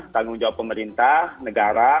tanggung jawab pemerintah negara